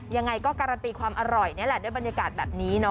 ยังไงก็การันตีความอร่อยนี่แหละด้วยบรรยากาศแบบนี้เนาะ